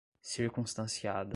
circunstanciada